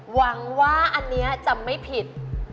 หวังว่าอันนี้จะไม่ผิด